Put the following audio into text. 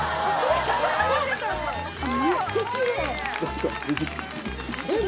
めっちゃきれい！